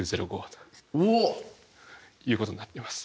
ということになってます。